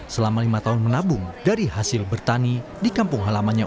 selama lima tahun menabung dari hasil bertani di kampung halamannya